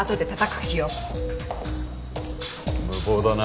無謀だな。